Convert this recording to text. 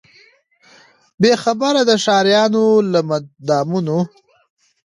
بې خبره د ښاریانو له دامونو